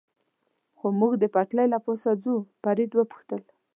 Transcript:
خو موږ د پټلۍ له پاسه ځو، فرید و پوښتل.